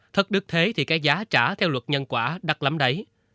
thất đức thế thì cái giá trả theo luật nhân quả đặt lắm đấy